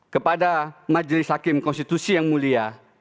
kepada majelis hakim konstitusi yang mulia